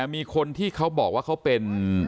มีคนที่เขาบอกว่าเขาเป็น